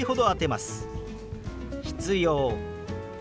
「必要」。